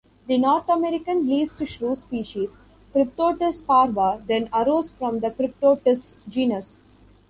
The North American least shrew species, "Cryptotis parva", then arose from the "Cryptotis" genus.